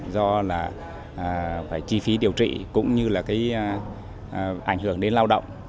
do là phải chi phí điều trị cũng như là cái ảnh hưởng đến lao động